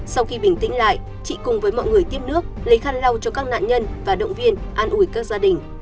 sau khi bình tĩnh lại chị cùng với mọi người tiếp nước lấy khăn lau cho các nạn nhân và động viên an ủi các gia đình